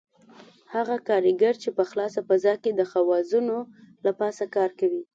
هغه کاریګر چې په خلاصه فضا کې د خوازونو له پاسه کار کوي.